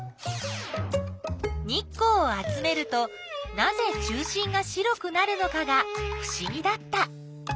日光を集めるとなぜ中心が白くなるのかがふしぎだった。